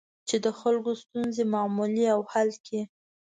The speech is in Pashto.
چې د خلکو ستونزې معلومې او حل کړي.